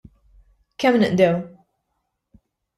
Kemm inqdew?